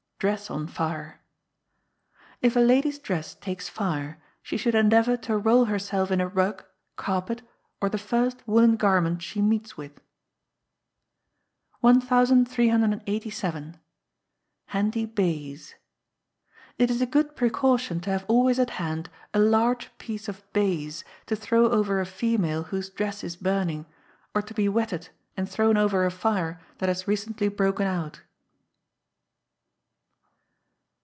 Dress on Fire. If a Lady's Dress takes Fire, she should endeavour to roll herself in a rug, carpet, or the first woollen garment she meets with. 1387. Handy Baize. It is a Good Precaution to have always at hand a large piece of baize, to throw over a female whose dress is burning, or to be wetted and thrown over a fire that has recently broken out.